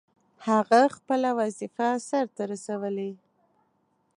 هغه خپله وظیفه سرته رسولې.